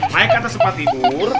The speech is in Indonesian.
naik ke atas tempat tidur